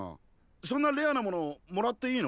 そんなレアなものもらっていいの？